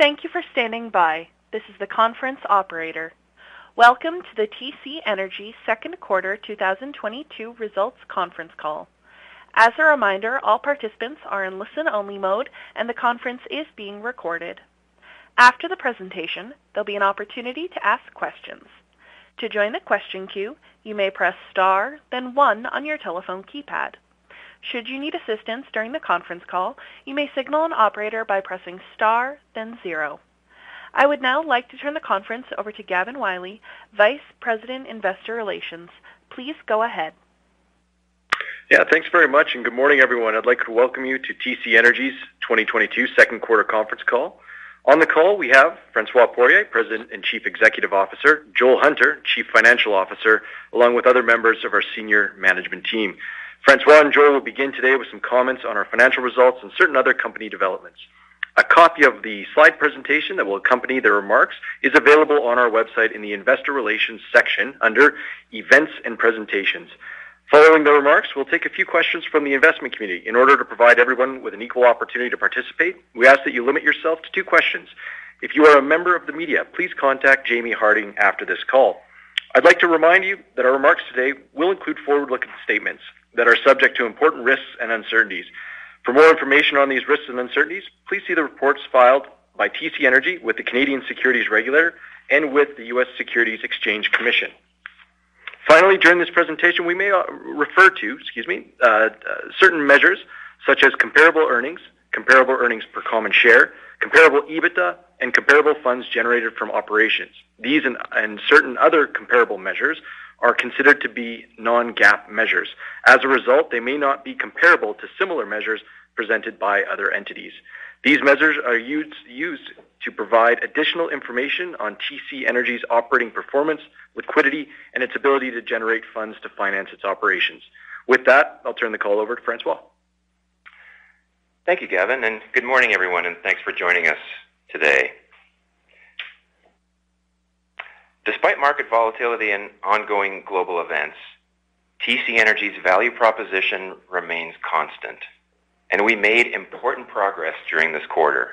Thank you for standing by. This is the conference operator. Welcome to the TC Energy Second Quarter 2022 results conference call. As a reminder, all participants are in listen-only mode and the conference is being recorded. After the presentation, there'll be an opportunity to ask questions. To join the question queue, you may press star then one on your telephone keypad. Should you need assistance during the conference call, you may signal an operator by pressing star then zero. I would now like to turn the conference over to Gavin Wylie, Vice President, Investor Relations. Please go ahead. Yeah, thanks very much and good morning, everyone. I'd like to welcome you to TC Energy's 2022 Second Quarter conference call. On the call, we have François Poirier, President and Chief Executive Officer, Joel Hunter, Chief Financial Officer, along with other members of our Senior Management Team. François and Joel will begin today with some comments on our financial results and certain other company developments. A copy of the slide presentation that will accompany the remarks is available on our website in the Investor Relations section under Events and Presentations. Following the remarks, we'll take a few questions from the investment community. In order to provide everyone with an equal opportunity to participate, we ask that you limit yourself to two questions. If you are a member of the media, please contact Jaimie Harding after this call. I'd like to remind you that our remarks today will include forward-looking statements that are subject to important risks and uncertainties. For more information on these risks and uncertainties, please see the reports filed by TC Energy with the Canadian Securities Administrators and with the U.S. Securities and Exchange Commission. Finally, during this presentation, we may refer to, excuse me, certain measures such as comparable earnings, comparable earnings per common share, Comparable EBITDA, and comparable funds generated from operations. These and certain other comparable measures are considered to be non-GAAP measures. As a result, they may not be comparable to similar measures presented by other entities. These measures are used to provide additional information on TC Energy's operating performance, liquidity, and its ability to generate funds to finance its operations. With that, I'll turn the call over to François. Thank you, Gavin, and good morning, everyone, and thanks for joining us today. Despite market volatility and ongoing global events, TC Energy's value proposition remains constant, and we made important progress during this quarter.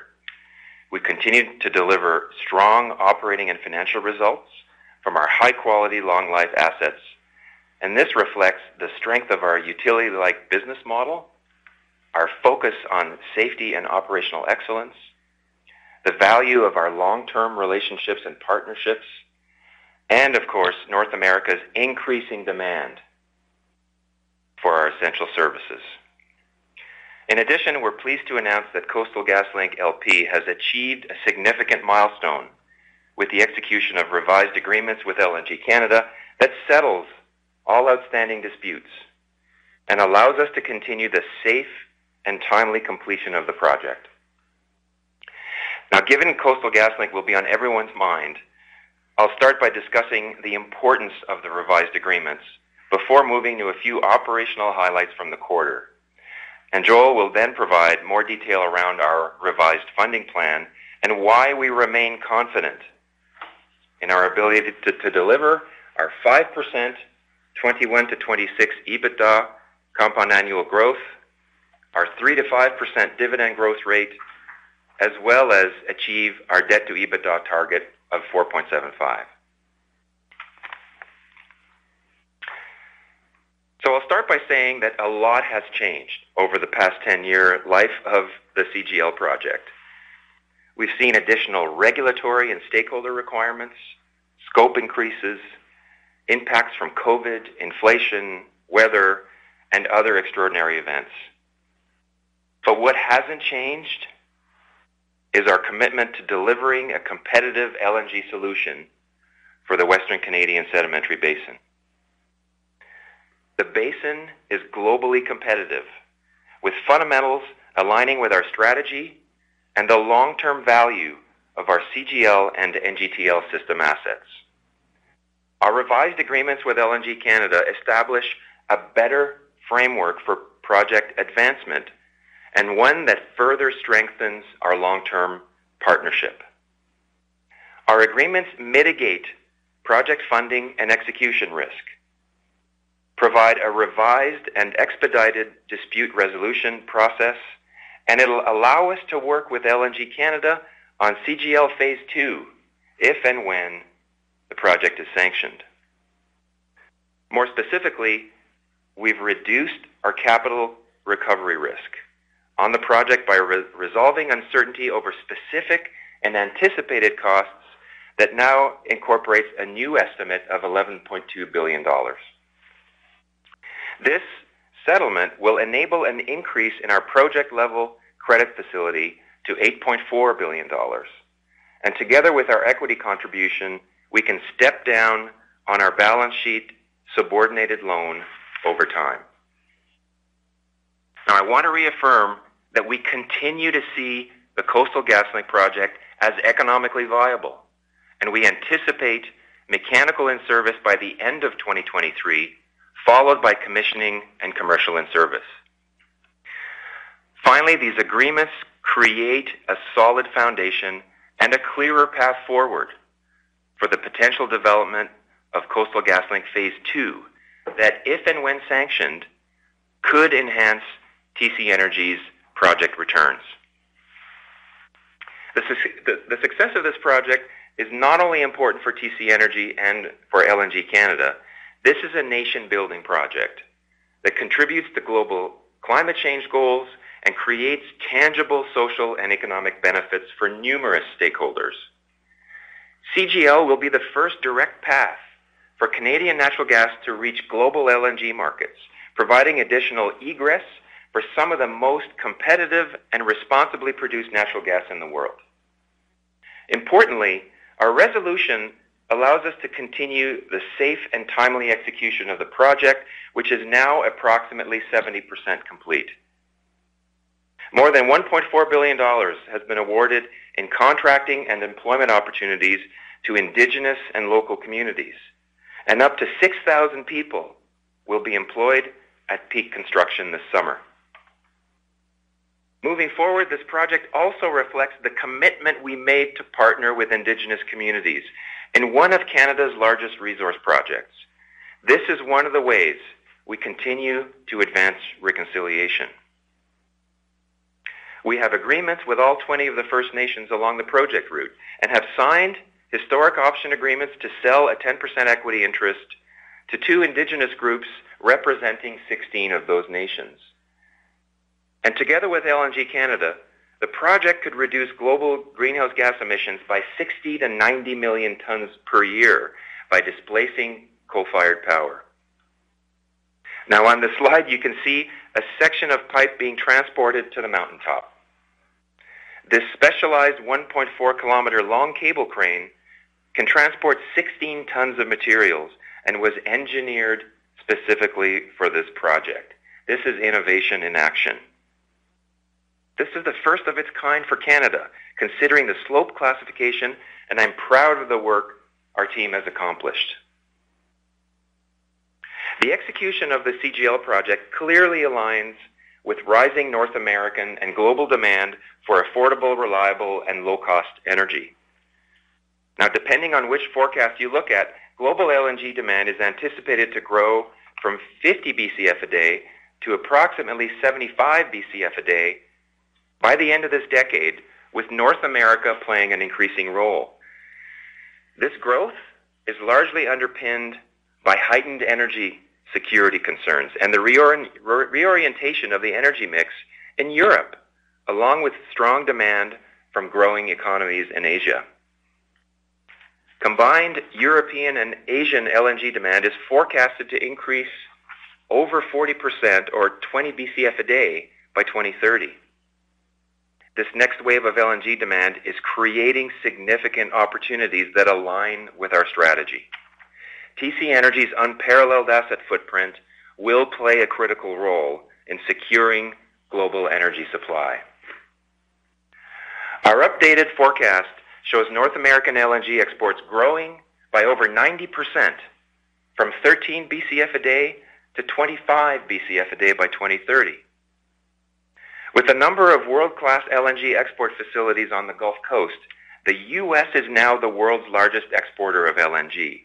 We continued to deliver strong operating and financial results from our high-quality, long-life assets, and this reflects the strength of our utility-like business model, our focus on safety and operational excellence, the value of our long-term relationships and partnerships, and of course, North America's increasing demand for our essential services. In addition, we're pleased to announce that Coastal GasLink LP has achieved a significant milestone with the execution of revised agreements with LNG Canada that settles all outstanding disputes and allows us to continue the safe and timely completion of the project. Now, given Coastal GasLink will be on everyone's mind, I'll start by discussing the importance of the revised agreements before moving to a few operational highlights from the quarter. Joel will then provide more detail around our revised funding plan and why we remain confident in our ability to deliver our 5% 2021-2026 EBITDA compound annual growth, our 3%-5% dividend growth rate, as well as achieve our debt-to-EBITDA target of 4.75. I'll start by saying that a lot has changed over the past 10-year life of the CGL project. We've seen additional regulatory and stakeholder requirements, scope increases, impacts from COVID, inflation, weather, and other extraordinary events. What hasn't changed is our commitment to delivering a competitive LNG solution for the Western Canadian Sedimentary Basin. The basin is globally competitive, with fundamentals aligning with our strategy and the long-term value of our CGL and NGTL system assets. Our revised agreements with LNG Canada establish a better framework for project advancement and one that further strengthens our long-term partnership. Our agreements mitigate project funding and execution risk, provide a revised and expedited dispute resolution process, and it'll allow us to work with LNG Canada on CGL Phase 2 if and when the project is sanctioned. More specifically, we've reduced our capital recovery risk on the project by re-resolving uncertainty over specific and anticipated costs that now incorporates a new estimate of 11.2 billion dollars. This settlement will enable an increase in our project level credit facility to 8.4 billion dollars. Together with our equity contribution, we can step down on our balance sheet subordinated loan over time. Now, I want to reaffirm that we continue to see the Coastal GasLink project as economically viable, and we anticipate mechanical in service by the end of 2023, followed by commissioning and commercial in service. Finally, these agreements create a solid foundation and a clearer path forward. Potential development of Coastal GasLink Phase 2 that if and when sanctioned could enhance TC Energy's project returns. The success of this project is not only important for TC Energy and for LNG Canada. This is a nation-building project that contributes to global climate change goals and creates tangible social and economic benefits for numerous stakeholders. CGL will be the first direct path for Canadian natural gas to reach global LNG markets, providing additional egress for some of the most competitive and responsibly produced natural gas in the world. Importantly, our resolution allows us to continue the safe and timely execution of the project, which is now approximately 70% complete. More than 1.4 billion dollars has been awarded in contracting and employment opportunities to indigenous and local communities, and up to 6,000 people will be employed at peak construction this summer. Moving forward, this project also reflects the commitment we made to partner with indigenous communities in one of Canada's largest resource projects. This is one of the ways we continue to advance reconciliation. We have agreements with all 20 of the First Nations along the project route and have signed historic option agreements to sell a 10% equity interest to two indigenous groups representing 16 of those nations. Together with LNG Canada, the project could reduce global greenhouse gas emissions by 60 million-90 million tons per year by displacing coal-fired power. Now on the slide, you can see a section of pipe being transported to the mountaintop. This specialized 1.4-km-long cable crane can transport 16 tons of materials and was engineered specifically for this project. This is innovation in action. This is the first of its kind for Canada, considering the slope classification, and I'm proud of the work our team has accomplished. The execution of the CGL project clearly aligns with rising North American and global demand for affordable, reliable, and low-cost energy. Now, depending on which forecast you look at, global LNG demand is anticipated to grow from 50 Bcf/d to approximately 75 Bcf/d by the end of this decade, with North America playing an increasing role. This growth is largely underpinned by heightened energy security concerns and the reorientation of the energy mix in Europe, along with strong demand from growing economies in Asia. Combined European and Asian LNG demand is forecasted to increase over 40% or 20 Bcf/d by 2030. This next wave of LNG demand is creating significant opportunities that align with our strategy. TC Energy's unparalleled asset footprint will play a critical role in securing global energy supply. Our updated forecast shows North American LNG exports growing by over 90% from 13 Bcf/d-25 Bcf/d by 2030. With a number of world-class LNG export facilities on the Gulf Coast, the U.S. is now the world's largest exporter of LNG.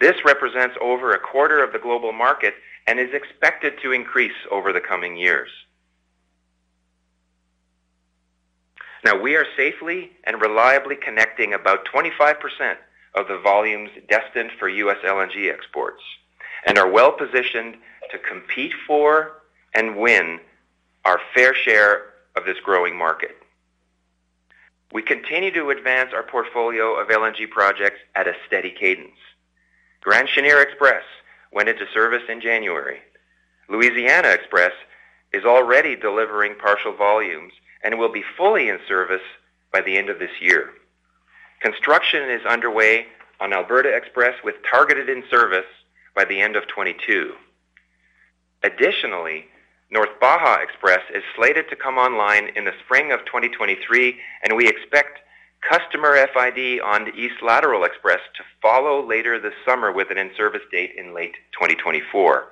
This represents over a quarter of the global market and is expected to increase over the coming years. We are safely and reliably connecting about 25% of the volumes destined for U.S. LNG exports and are well-positioned to compete for and win our fair share of this growing market. We continue to advance our portfolio of LNG projects at a steady cadence. Grand Chenier XPress went into service in January. Louisiana XPress is already delivering partial volumes and will be fully in service by the end of this year. Construction is underway on Alberta XPress with targeted in-service by the end of 2022. Additionally, North Baja XPress is slated to come online in the spring of 2023, and we expect customer FID on East Lateral XPress to follow later this summer with an in-service date in late 2024.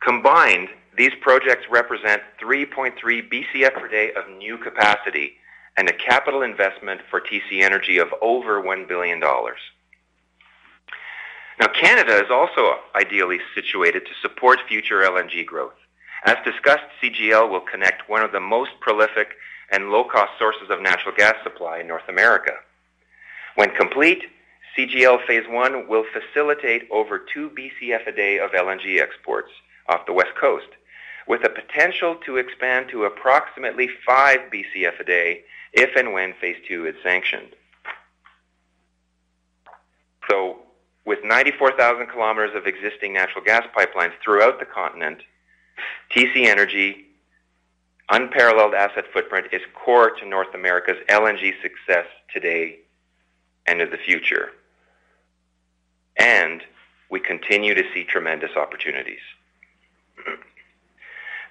Combined, these projects represent 3.3 Bcf/d of new capacity and a capital investment for TC Energy of over $1 billion. Canada is also ideally situated to support future LNG growth. As discussed, CGL will connect one of the most prolific and low-cost sources of natural gas supply in North America. When complete, CGL Phase 1 will facilitate over 2 Bcf/d of LNG exports off the West Coast, with the potential to expand to approximately 5 Bcf/d if and when Phase 2 is sanctioned. With 94,000 km of existing natural gas pipelines throughout the continent, TC Energy's unparalleled asset footprint is core to North America's LNG success today and in the future, and we continue to see tremendous opportunities.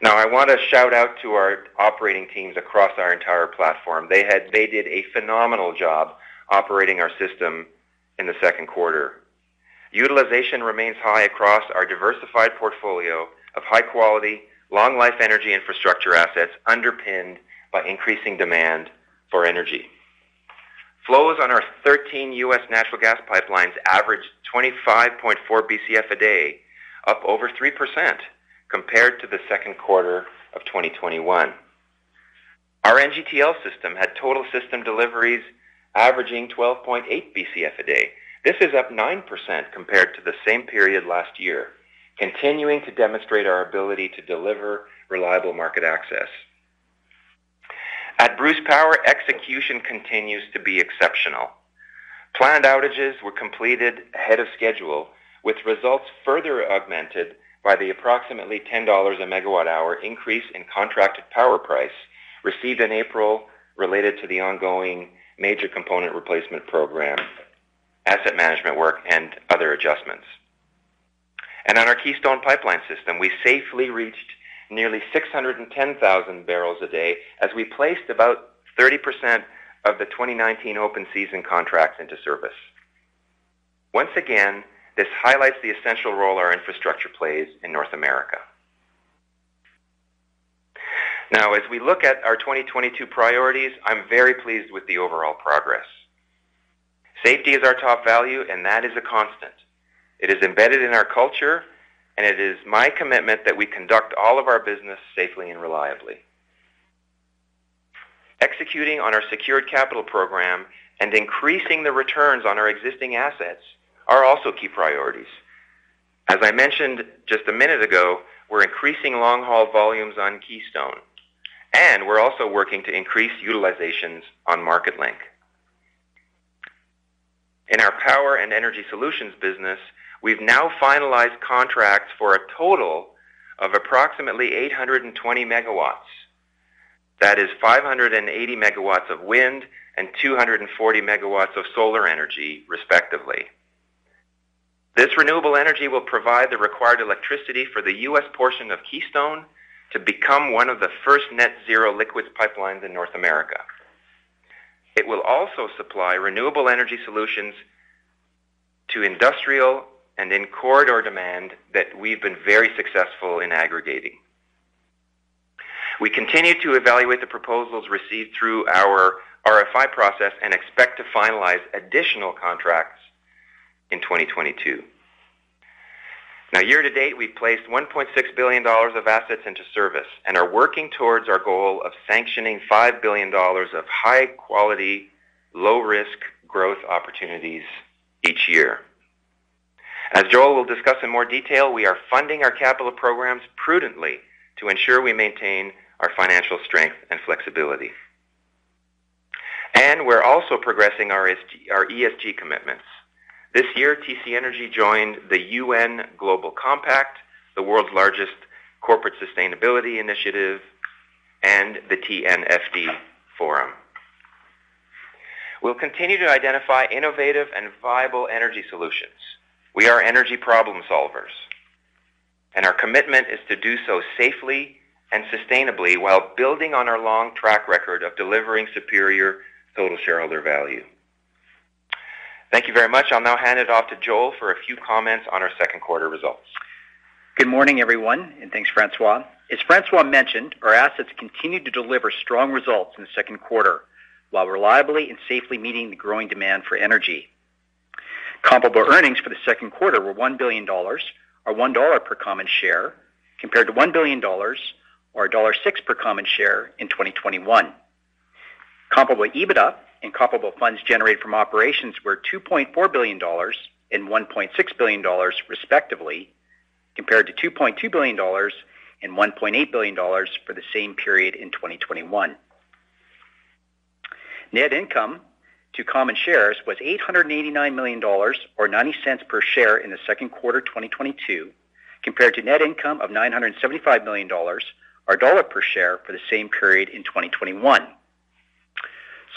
Now, I want to shout out to our operating teams across our entire platform. They did a phenomenal job operating our system in the second quarter. Utilization remains high across our diversified portfolio of high quality, long-life energy infrastructure assets underpinned by increasing demand for energy. Flows on our 13 U.S. natural gas pipelines averaged 25.4 Bcf/d, up over 3% compared to the second quarter of 2021. Our NGTL system had total system deliveries averaging 12.8 Bcf/d. This is up 9% compared to the same period last year, continuing to demonstrate our ability to deliver reliable market access. At Bruce Power, execution continues to be exceptional. Planned outages were completed ahead of schedule, with results further augmented by the approximately 10 dollars a MWh increase in contracted power price received in April related to the ongoing major component replacement program, asset management work, and other adjustments. On our Keystone Pipeline System, we safely reached nearly 610,000 bbl a day as we placed about 30% of the 2019 open season contracts into service. Once again, this highlights the essential role our infrastructure plays in North America. Now, as we look at our 2022 priorities, I'm very pleased with the overall progress. Safety is our top value, and that is a constant. It is embedded in our culture, and it is my commitment that we conduct all of our business safely and reliably. Executing on our secured capital program and increasing the returns on our existing assets are also key priorities. As I mentioned just a minute ago, we're increasing long-haul volumes on Keystone, and we're also working to increase utilizations on Marketlink. In our power and energy solutions business, we've now finalized contracts for a total of approximately 820 MW. That is 580 MW of wind and 240 MW of solar energy, respectively. This renewable energy will provide the required electricity for the U.S. portion of Keystone to become one of the first net zero liquids pipelines in North America. It will also supply renewable energy solutions to industrial and in corridor demand that we've been very successful in aggregating. We continue to evaluate the proposals received through our RFI process and expect to finalize additional contracts in 2022. Now, year-to-date, we've placed $1.6 billion of assets into service and are working towards our goal of sanctioning $5 billion of high quality, low-risk growth opportunities each year. As Joel will discuss in more detail, we are funding our capital programs prudently to ensure we maintain our financial strength and flexibility. We're also progressing our ESG commitments. This year, TC Energy joined the UN Global Compact, the world's largest corporate sustainability initiative, and the TNFD Forum. We'll continue to identify innovative and viable energy solutions. We are energy problem solvers, and our commitment is to do so safely and sustainably while building on our long track record of delivering superior total shareholder value. Thank you very much. I'll now hand it off to Joel for a few comments on our second quarter results. Good morning, everyone, and thanks, François. As François mentioned, our assets continued to deliver strong results in the second quarter while reliably and safely meeting the growing demand for energy. Comparable earnings for the second quarter were 1 billion dollars or 1 dollar per common share, compared to 1 billion dollars or dollar 1.06 per common share in 2021. Comparable EBITDA and comparable funds generated from operations were 2.4 billion dollars and 1.6 billion dollars, respectively, compared to 2.2 billion dollars and 1.8 billion dollars for the same period in 2021. Net income to common shares was 889 million dollars or 0.90 per share in the second quarter, 2022, compared to net income of 975 million dollars or CAD 1 per share for the same period in 2021.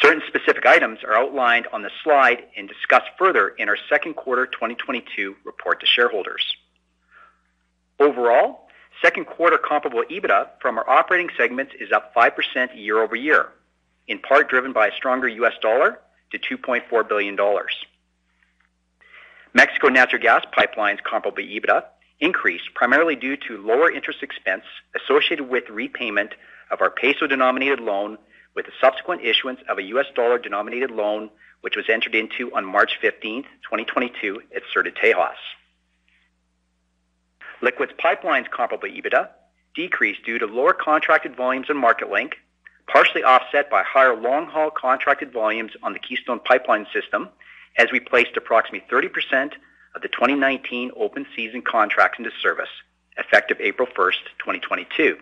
Certain specific items are outlined on the slide and discussed further in our second quarter 2022 report to shareholders. Overall, second quarter Comparable EBITDA from our operating segment is up 5% year-over-year, in part driven by a stronger U.S. dollar to 2.4 billion dollars. Mexico Natural Gas Pipelines Comparable EBITDA increased primarily due to lower interest expense associated with repayment of our peso-denominated loan with the subsequent issuance of a U.S. dollar-denominated loan, which was entered into on March 15, 2022 at Sur de Texas. Liquids Pipelines Comparable EBITDA decreased due to lower contracted volumes in Marketlink, partially offset by higher long-haul contracted volumes on the Keystone Pipeline system as we placed approximately 30% of the 2019 open season contracts into service effective April 1, 2022.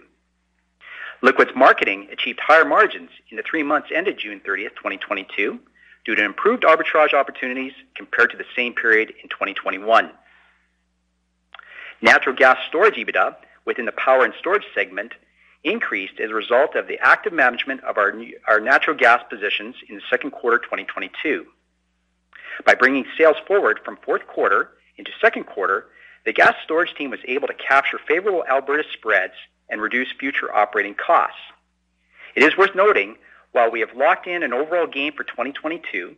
Liquids Marketing achieved higher margins in the three months ended June 30, 2022 due to improved arbitrage opportunities compared to the same period in 2021. Natural Gas Storage EBITDA within the Power and Storage segment increased as a result of the active management of our Natural Gas positions in the second quarter 2022. By bringing sales forward from fourth quarter into second quarter, the gas storage team was able to capture favorable Alberta spreads and reduce future operating costs. It is worth noting, while we have locked in an overall gain for 2022,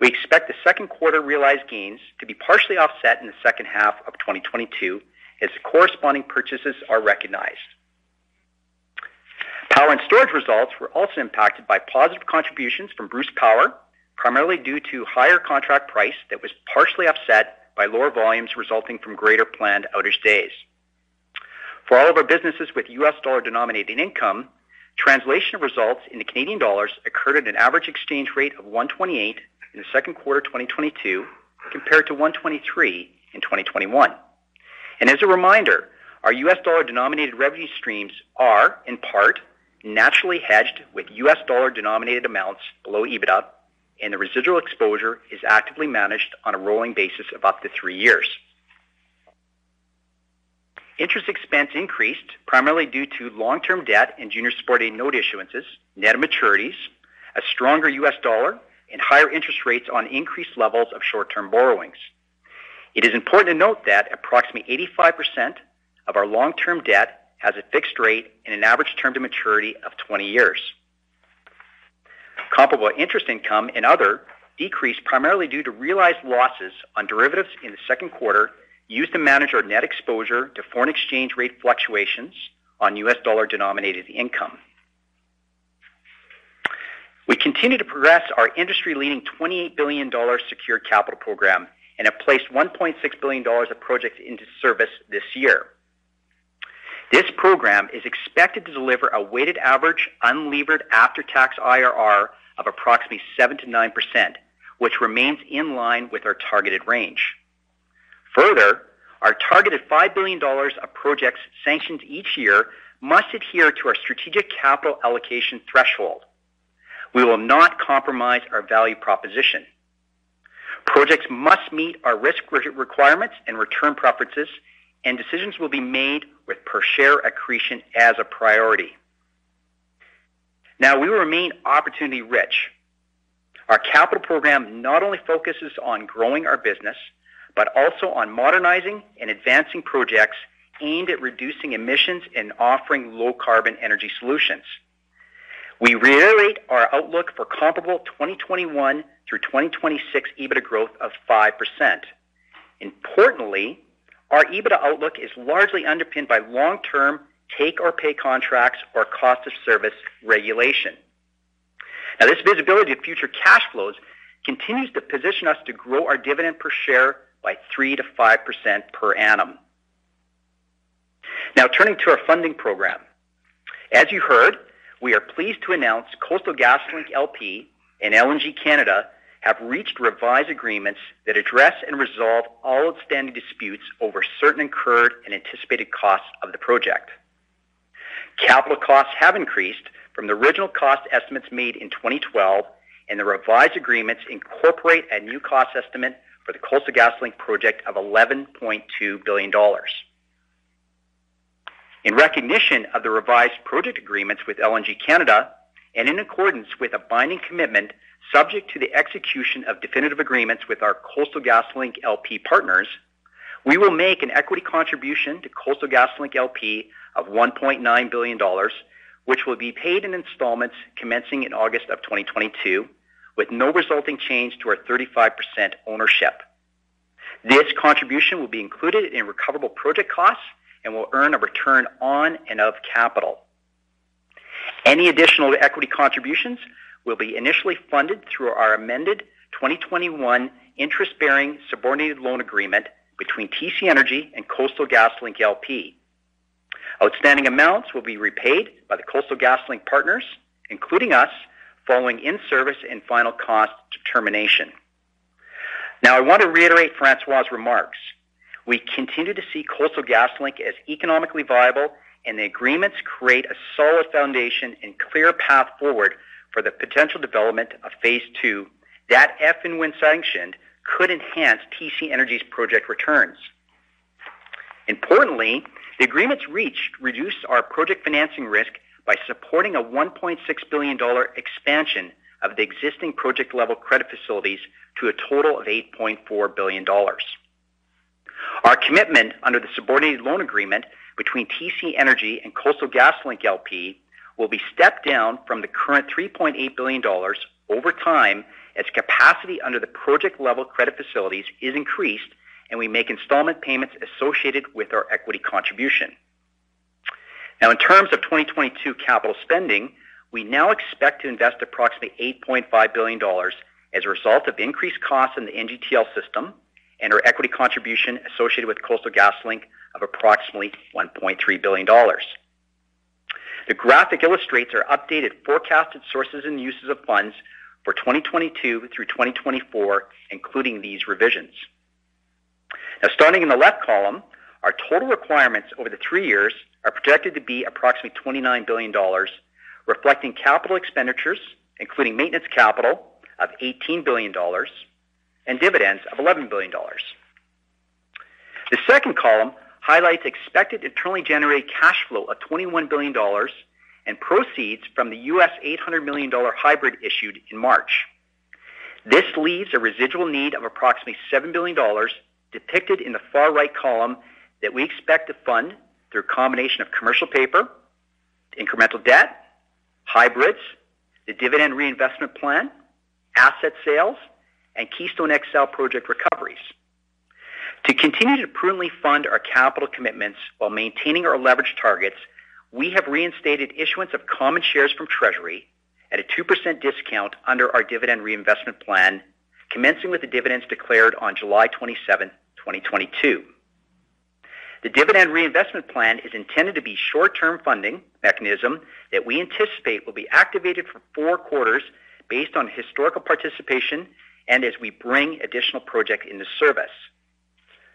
we expect the second quarter realized gains to be partially offset in the second half of 2022 as the corresponding purchases are recognized. Power and Storage results were also impacted by positive contributions from Bruce Power, primarily due to higher contract price that was partially offset by lower volumes resulting from greater planned outage days. For all of our businesses with U.S. dollar-denominated income, translation results into Canadian dollars occurred at an average exchange rate of 1.28 in the second quarter 2022 compared to 1.23 in 2021. As a reminder, our U.S. dollar-denominated revenue streams are, in part, naturally hedged with U.S. dollar-denominated amounts below EBITDA, and the residual exposure is actively managed on a rolling basis of up to three years. Interest expense increased primarily due to long-term debt and junior supported note issuances, net of maturities, a stronger U.S. dollar, and higher interest rates on increased levels of short-term borrowings. It is important to note that approximately 85% of our long-term debt has a fixed rate and an average term to maturity of 20 years. Comparable interest income and other decreased primarily due to realized losses on derivatives in the second quarter used to manage our net exposure to foreign exchange rate fluctuations on U.S. dollar-denominated income. We continue to progress our industry-leading 28 billion dollars secured capital program and have placed 1.6 billion dollars of projects into service this year. This program is expected to deliver a weighted average unlevered after-tax IRR of approximately 7%-9%, which remains in line with our targeted range. Further, our targeted 5 billion dollars of projects sanctioned each year must adhere to our strategic capital allocation threshold. We will not compromise our value proposition. Projects must meet our risk requirements and return preferences, and decisions will be made with per share accretion as a priority. Now, we remain opportunity-rich. Our capital program not only focuses on growing our business, but also on modernizing and advancing projects aimed at reducing emissions and offering low-carbon energy solutions. We reiterate our outlook for comparable 2021 through 2026 EBITDA growth of 5%. Importantly, our EBITDA outlook is largely underpinned by long-term take-or-pay contracts or cost of service regulation. Now, this visibility of future cash flows continues to position us to grow our dividend per share by 3%-5% per annum. Now, turning to our funding program. As you heard, we are pleased to announce Coastal GasLink LP and LNG Canada have reached revised agreements that address and resolve all outstanding disputes over certain incurred and anticipated costs of the project. Capital costs have increased from the original cost estimates made in 2012, and the revised agreements incorporate a new cost estimate for the Coastal GasLink project of 11.2 billion dollars. In recognition of the revised project agreements with LNG Canada and in accordance with a binding commitment subject to the execution of definitive agreements with our Coastal GasLink LP partners, we will make an equity contribution to Coastal GasLink LP of 1.9 billion dollars, which will be paid in installments commencing in August of 2022, with no resulting change to our 35% ownership. This contribution will be included in recoverable project costs and will earn a return on and return of capital. Any additional equity contributions will be initially funded through our amended 2021 interest-bearing subordinated loan agreement between TC Energy and Coastal GasLink LP. Outstanding amounts will be repaid by the Coastal GasLink partners, including us, following in-service and final cost determination. Now, I want to reiterate François' remarks. We continue to see Coastal GasLink as economically viable, and the agreements create a solid foundation and clear path forward for the potential development of Phase 2 that, if and when sanctioned, could enhance TC Energy's project returns. Importantly, the agreements reached reduce our project financing risk by supporting a 1.6 billion dollar expansion of the existing project-level credit facilities to a total of 8.4 billion dollars. Our commitment under the subordinated loan agreement between TC Energy and Coastal GasLink LP will be stepped down from the current 3.8 billion dollars over time as capacity under the project-level credit facilities is increased and we make installment payments associated with our equity contribution. Now, in terms of 2022 capital spending, we now expect to invest approximately 8.5 billion dollars as a result of increased costs in the NGTL system and our equity contribution associated with Coastal GasLink of approximately 1.3 billion dollars. The graphic illustrates our updated forecasted sources and uses of funds for 2022 through 2024, including these revisions. Now, starting in the left column, our total requirements over the three years are projected to be approximately 29 billion dollars, reflecting capital expenditures, including maintenance capital of 18 billion dollars and dividends of 11 billion dollars. The second column highlights expected internally generated cash flow of 21 billion dollars and proceeds from the $800 million hybrid issued in March. This leaves a residual need of approximately 7 billion dollars depicted in the far right column that we expect to fund through a combination of commercial paper, incremental debt, hybrids, the dividend reinvestment plan, asset sales, and Keystone XL project recoveries. To continue to prudently fund our capital commitments while maintaining our leverage targets, we have reinstated issuance of common shares from Treasury at a 2% discount under our dividend reinvestment plan, commencing with the dividends declared on July 27, 2022. The dividend reinvestment plan is intended to be short-term funding mechanism that we anticipate will be activated for four quarters based on historical participation and as we bring additional project into service.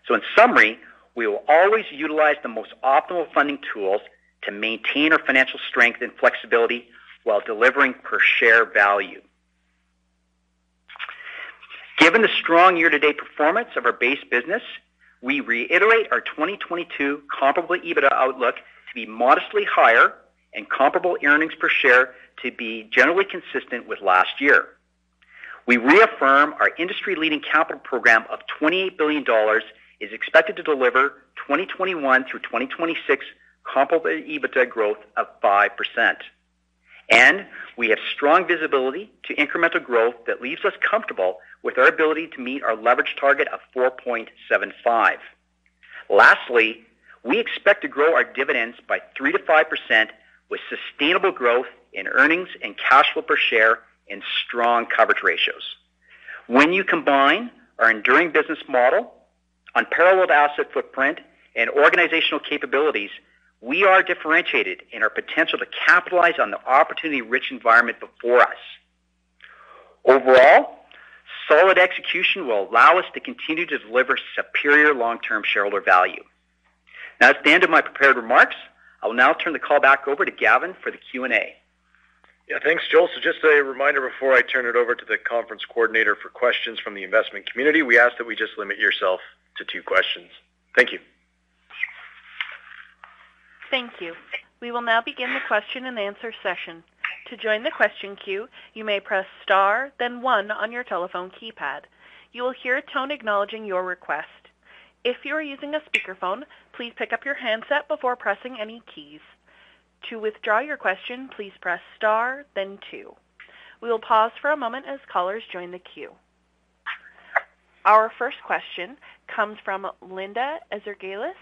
In summary, we will always utilize the most optimal funding tools to maintain our financial strength and flexibility while delivering per share value. Given the strong year-to-date performance of our base business, we reiterate our 2022 Comparable EBITDA outlook to be modestly higher and comparable earnings per share to be generally consistent with last year. We reaffirm our industry-leading capital program of 28 billion dollars is expected to deliver 2021 through 2026 Comparable EBITDA growth of 5%. We have strong visibility to incremental growth that leaves us comfortable with our ability to meet our leverage target of 4.75. Lastly, we expect to grow our dividends by 3%-5% with sustainable growth in earnings and cash flow per share and strong coverage ratios. When you combine our enduring business model, unparalleled asset footprint, and organizational capabilities, we are differentiated in our potential to capitalize on the opportunity-rich environment before us. Overall, solid execution will allow us to continue to deliver superior long-term shareholder value. That's the end of my prepared remarks. I will now turn the call back over to Gavin for the Q&A. Yeah, thanks, Joel. Just a reminder before I turn it over to the conference coordinator for questions from the investment community, we ask that you just limit yourself to two questions. Thank you. Thank you. We will now begin the question and answer session. To join the question queue, you may press star, then one on your telephone keypad. You will hear a tone acknowledging your request. If you are using a speakerphone, please pick up your handset before pressing any keys. To withdraw your question, please press star, then two. We will pause for a moment as callers join the queue. Our first question comes from Linda Ezergailis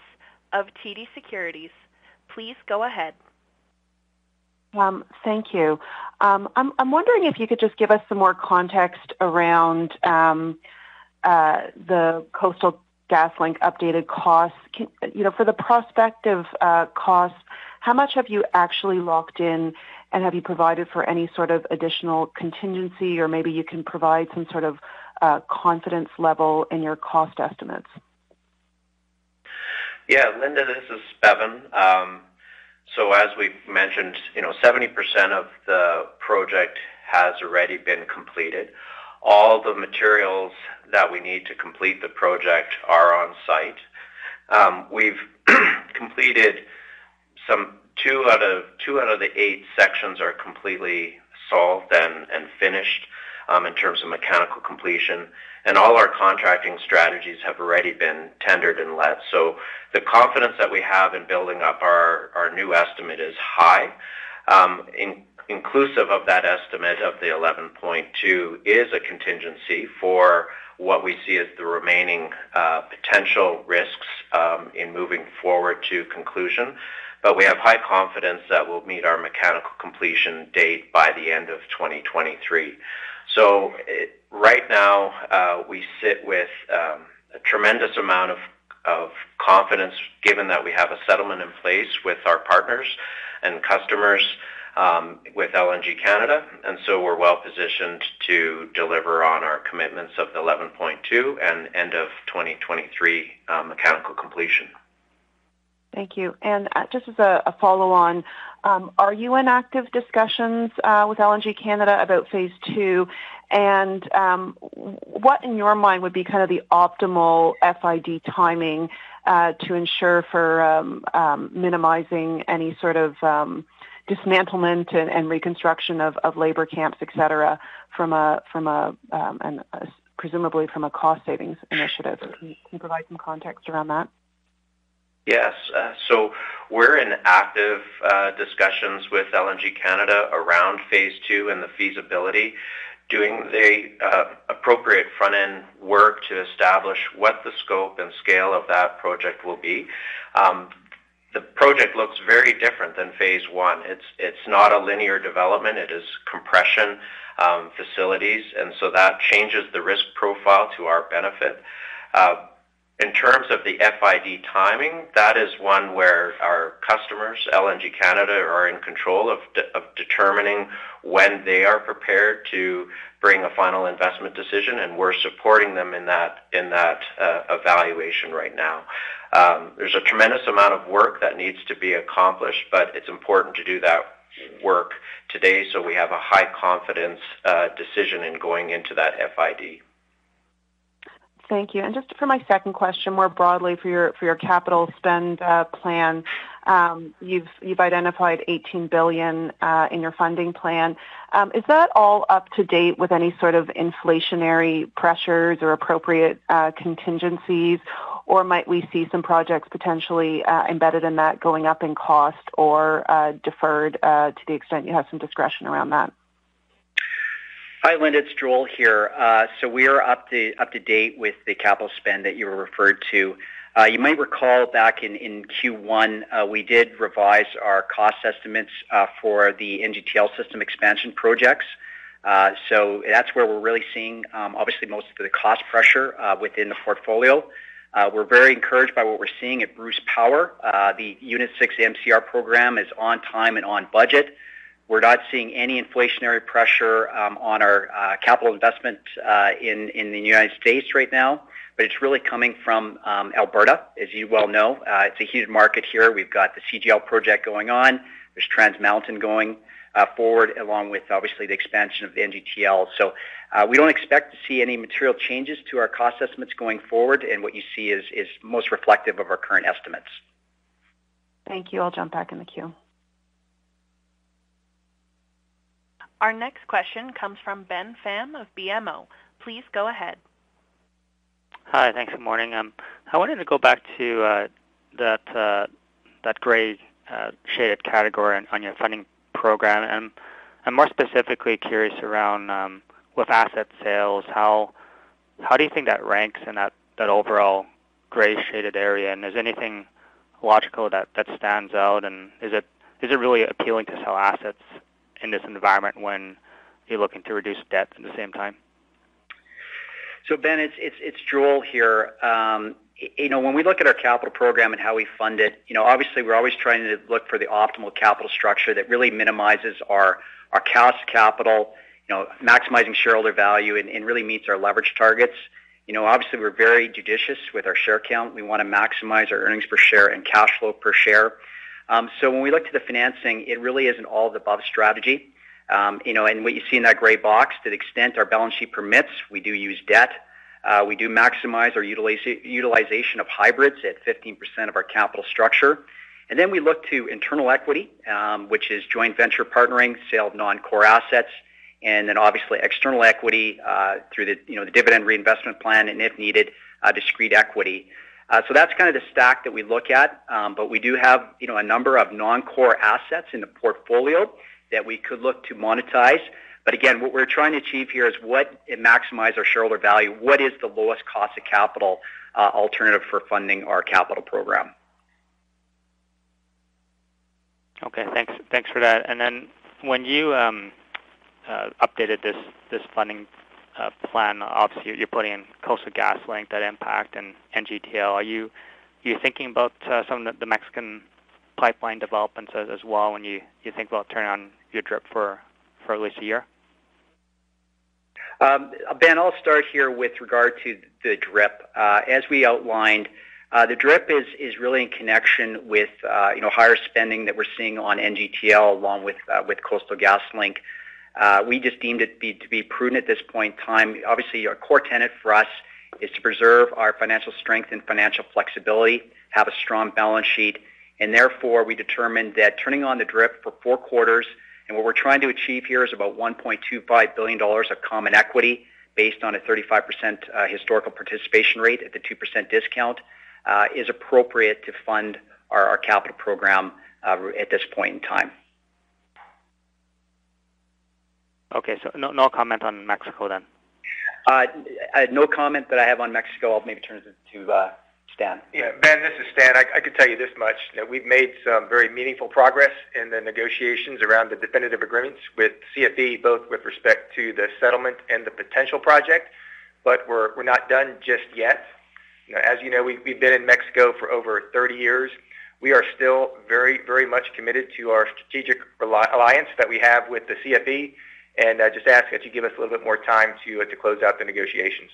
of TD Securities. Please go ahead. Thank you. I'm wondering if you could just give us some more context around the Coastal GasLink updated cost. You know, for the prospective cost, how much have you actually locked in, and have you provided for any sort of additional contingency, or maybe you can provide some sort of confidence level in your cost estimates? Yeah, Linda, this is Bevin. As we've mentioned, you know, 70% of the project has already been completed. All the materials that we need to complete the project are on site. We've completed two out of the eight sections are completely solved and finished in terms of mechanical completion, and all our contracting strategies have already been tendered and let. The confidence that we have in building up our new estimate is high. Inclusive of that estimate of 11.2 is a contingency for what we see as the remaining potential risks in moving forward to conclusion. We have high confidence that we'll meet our mechanical completion date by the end of 2023. Right now, we sit with a tremendous amount of confidence given that we have a settlement in place with our partners and customers with LNG Canada, and so we're well-positioned to deliver on our commitments of 11.2 and end of 2023 mechanical completion. Thank you. Just as a follow-on, are you in active discussions with LNG Canada about Phase 2? What in your mind would be kind of the optimal FID timing to ensure for minimizing any sort of dismantlement and reconstruction of labor camps, et cetera, from a and presumably from a cost savings initiative? Can you provide some context around that? Yes. So we're in active discussions with LNG Canada around Phase 2 and the feasibility, doing the appropriate front-end work to establish what the scope and scale of that project will be. The project looks very different than Phase 1. It's not a linear development, it is compression facilities, and so that changes the risk profile to our benefit. In terms of the FID timing, that is one where our customers, LNG Canada, are in control of determining when they are prepared to bring a final investment decision, and we're supporting them in that evaluation right now. There's a tremendous amount of work that needs to be accomplished, but it's important to do that work today so we have a high confidence decision in going into that FID. Thank you. Just for my second question, more broadly for your capital spend plan. You've identified 18 billion in your funding plan. Is that all up to date with any sort of inflationary pressures or appropriate contingencies? Or might we see some projects potentially embedded in that going up in cost or deferred to the extent you have some discretion around that? Hi, Linda, it's Joel here. We are up to date with the capital spend that you were referred to. You might recall back in Q1, we did revise our cost estimates for the NGTL system expansion projects. That's where we're really seeing obviously most of the cost pressure within the portfolio. We're very encouraged by what we're seeing at Bruce Power. The Unit 6 MCR program is on time and on budget. We're not seeing any inflationary pressure on our capital investment in the United States right now, but it's really coming from Alberta, as you well know. It's a huge market here. We've got the CGL project going on. There's Trans Mountain going forward, along with obviously the expansion of the NGTL. We don't expect to see any material changes to our cost estimates going forward. What you see is most reflective of our current estimates. Thank you. I'll jump back in the queue. Our next question comes from Ben Pham of BMO. Please go ahead. Hi. Thanks. Good morning. I wanted to go back to that gray shaded category on your funding program. I'm more specifically curious around with asset sales, how do you think that ranks in that overall gray shaded area? Is anything logical that stands out? Is it really appealing to sell assets in this environment when you're looking to reduce debt at the same time? Ben, it's Joel here. You know, when we look at our capital program and how we fund it, you know, obviously, we're always trying to look for the optimal capital structure that really minimizes our cost of capital, you know, maximizing shareholder value and really meets our leverage targets. You know, obviously, we're very judicious with our share count. We wanna maximize our earnings per share and cash flow per share. When we look to the financing, it really is an all-of-the-above strategy. You know, what you see in that gray box, to the extent our balance sheet permits, we do use debt. We do maximize our utilization of hybrids at 15% of our capital structure. Then we look to internal equity, which is joint venture partnering, sale of non-core assets, and then obviously external equity, through the, you know, the dividend reinvestment plan and if needed, discrete equity. That's kind of the stack that we look at. We do have, you know, a number of non-core assets in the portfolio that we could look to monetize. Again, what we're trying to achieve here is maximize our shareholder value, what is the lowest cost of capital alternative for funding our capital program. Okay, thanks. Thanks for that. When you updated this funding plan, obviously you're putting in Coastal GasLink, that impact and NGTL. Are you thinking about some of the Mexican pipeline developments as well when you think about turning on your DRIP for at least a year? Ben, I'll start here with regard to the DRIP. As we outlined, the DRIP is really in connection with, you know, higher spending that we're seeing on NGTL, along with Coastal GasLink. We just deemed it to be prudent at this point in time. Obviously, our core tenet for us is to preserve our financial strength and financial flexibility, have a strong balance sheet, and therefore, we determined that turning on the DRIP for four quarters, and what we're trying to achieve here is about 1.25 billion dollars of common equity based on a 35% historical participation rate at the 2% discount, is appropriate to fund our capital program at this point in time. Okay. No, no comment on Mexico then? No comment that I have on Mexico. I'll maybe turn it to Stan. Yeah. Ben, this is Stan. I could tell you this much. You know, we've made some very meaningful progress in the negotiations around the definitive agreements with CFE, both with respect to the settlement and the potential project, but we're not done just yet. You know, as you know, we've been in Mexico for over 30 years. We are still very, very much committed to our strategic alliance that we have with the CFE, and just ask that you give us a little bit more time to close out the negotiations.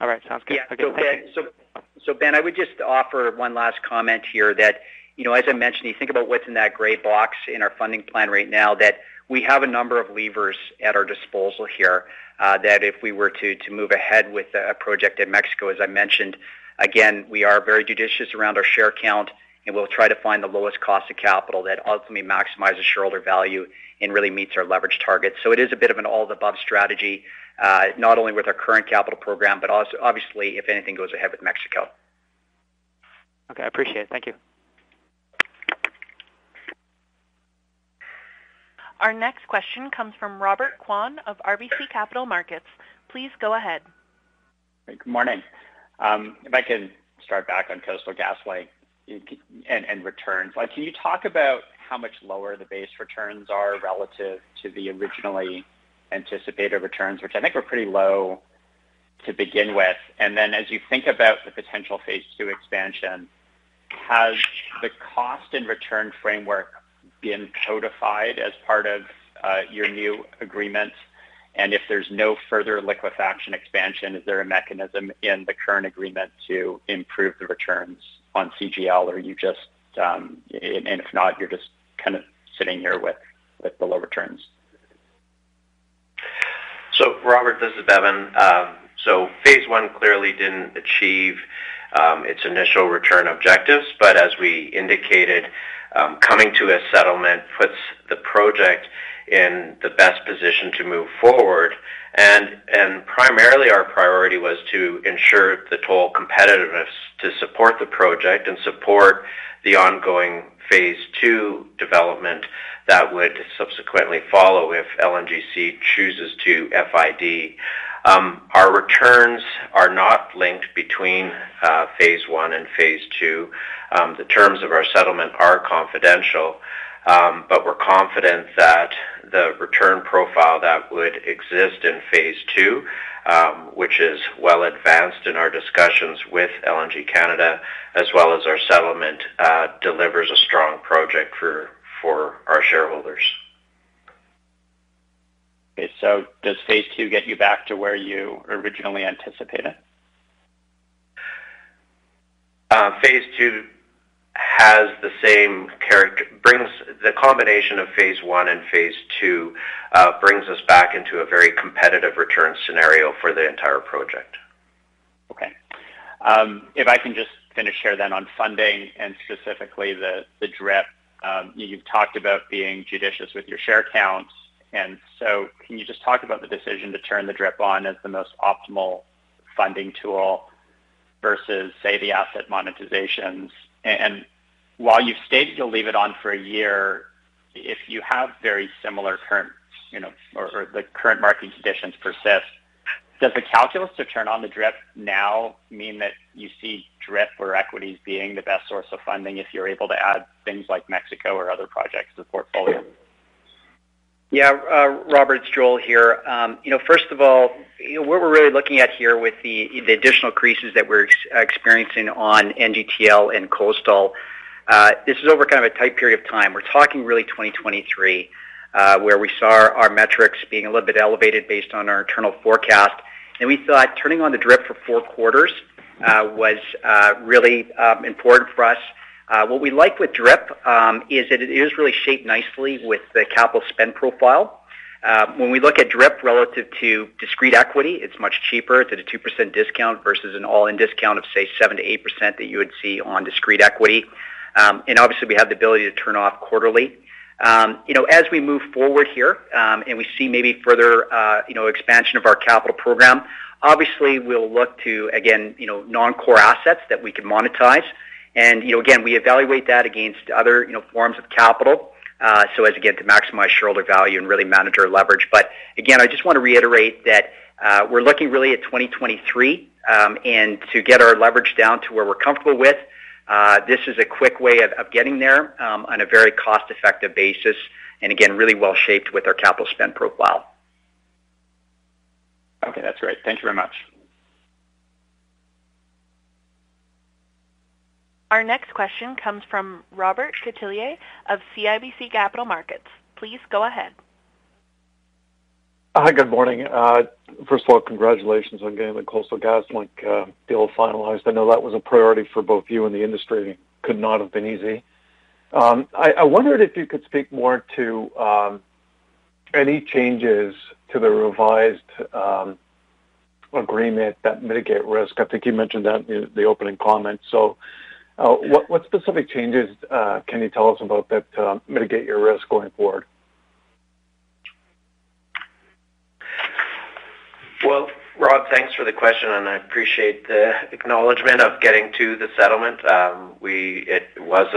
All right. Sounds good. Yeah. Ben, I would just offer one last comment here that, you know, as I mentioned, you think about what's in that gray box in our funding plan right now, that we have a number of levers at our disposal here, that if we were to move ahead with a project in Mexico, as I mentioned, again, we are very judicious around our share count, and we'll try to find the lowest cost of capital that ultimately maximizes shareholder value and really meets our leverage targets. It is a bit of an all-of-the-above strategy, not only with our current capital program, but obviously, if anything goes ahead with Mexico. Okay. I appreciate it. Thank you. Our next question comes from Robert Kwan of RBC Capital Markets. Please go ahead. Good morning. If I can start back on Coastal GasLink and returns. Like, can you talk about how much lower the base returns are relative to the originally anticipated returns, which I think were pretty low to begin with? As you think about the potential Phase 2 expansion, has the cost and return framework been codified as part of your new agreement? If there's no further liquefaction expansion, is there a mechanism in the current agreement to improve the returns on CGL? Or are you just kind of sitting here with the low returns. Robert, this is Bevin. Phase 1 clearly didn't achieve its initial return objectives, but as we indicated, coming to a settlement puts the project in the best position to move forward. Primarily our priority was to ensure the toll competitiveness to support the project and support the ongoing Phase 2 development that would subsequently follow if LNGC chooses to FID. Our returns are not linked between Phase 1 and Phase 2. The terms of our settlement are confidential, but we're confident that the return profile that would exist in Phase 2, which is well advanced in our discussions with LNG Canada as well as our settlement, delivers a strong project for our shareholders. Okay. Does Phase 2 get you back to where you originally anticipated? The combination of Phase 1 and Phase 2 brings us back into a very competitive return scenario for the entire project. Okay. If I can just finish here then on funding and specifically the DRIP. You've talked about being judicious with your share counts, and so can you just talk about the decision to turn the DRIP on as the most optimal funding tool versus say, the asset monetizations? While you've stated you'll leave it on for a year, if you have very similar current, you know, or the current market conditions persist, does the calculus to turn on the DRIP now mean that you see DRIP or equities being the best source of funding if you're able to add things like Mexico or other projects to the portfolio? Yeah. Robert, it's Joel here. You know, first of all, what we're really looking at here with the additional pressures that we're experiencing on NGTL and Coastal, this is over kind of a tight period of time. We're talking really 2023, where we saw our metrics being a little bit elevated based on our internal forecast, and we thought turning on the DRIP for four quarters was really important for us. What we like with DRIP is that it is really shaped nicely with the capital spend profile. When we look at DRIP relative to direct equity, it's much cheaper. It's at a 2% discount versus an all-in discount of, say, 7%-8% that you would see on direct equity. Obviously we have the ability to turn off quarterly. You know, as we move forward here, and we see maybe further, you know, expansion of our capital program, obviously we'll look to again, you know, non-core assets that we can monetize. You know, again, we evaluate that against other, you know, forms of capital, so as, again, to maximize shareholder value and really manage our leverage. Again, I just wanna reiterate that, we're looking really at 2023, and to get our leverage down to where we're comfortable with, this is a quick way of getting there, on a very cost-effective basis, and again, really well shaped with our capital spend profile. Okay, that's great. Thank you very much. Our next question comes from Robert Catellier of CIBC Capital Markets. Please go ahead. Hi, good morning. First of all, congratulations on getting the Coastal GasLink deal finalized. I know that was a priority for both you and the industry. Could not have been easy. I wondered if you could speak more to any changes to the revised agreement that mitigate risk. I think you mentioned that in the opening comments. What specific changes can you tell us about that mitigate your risk going forward? Well, Rob, thanks for the question, and I appreciate the acknowledgement of getting to the settlement. It was